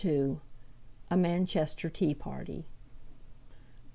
A MANCHESTER TEA PARTY.